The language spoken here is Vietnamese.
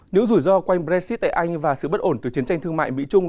những rủi ro quanh brexit tại anh và sự bất ổn từ chiến tranh thương mại mỹ trung